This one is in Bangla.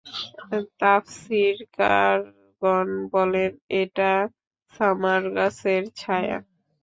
তাফসীরকারগণ বলেন, এটা সামার গাছের ছায়া।